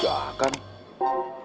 suara apaan tuh